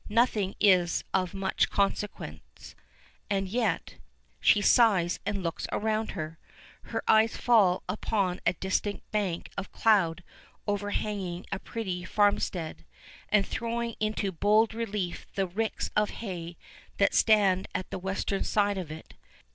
Nothing is of much consequence. And yet She sighs and looks round her. Her eyes fall upon a distant bank of cloud overhanging a pretty farmstead, and throwing into bold relief the ricks of hay that stand at the western side of it.